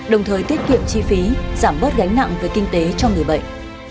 đồng thời tiết kiệm chi phí giảm bớt gánh nặng về kinh tế cho người bệnh